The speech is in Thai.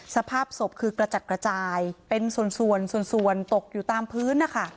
สภาพศพคือกระจัดกระจายเป็นส่วนตกอยู่ตามพื้นนะคะ